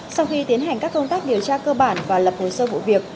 sau khi tiến hành các công tác điều tra cơ bản và lập hồ sơ vụ việc